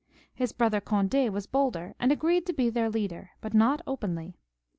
His brother Cond4 was bolder, and agreed to be their leader, but not openly.